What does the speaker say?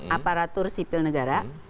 aparatur sipil negara